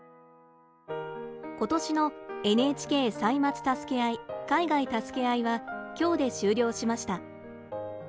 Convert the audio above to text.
今年のＮＨＫ「歳末たすけあい」「海外たすけあい」は今日で終了しました。